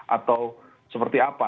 atau seperti apa